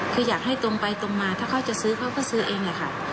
คืออยากให้ตรงไปตรงมาถ้าเขาจะซื้อเขาก็ซื้อเองแหละค่ะ